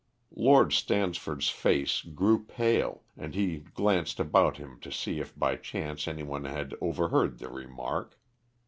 Lord Stansford's face grew pale, and he glanced about him to see if by chance any one had overheard the remark.